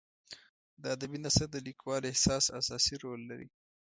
د ادبي نثر د لیکوال احساس اساسي رول لري.